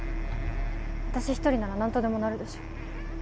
私一人ならなんとでもなるでしょ。